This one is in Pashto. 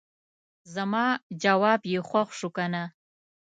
زما جواب یې خوښ شو کنه.